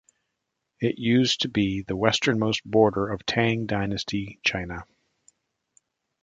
It used to be the westernmost border of Tang dynasty China.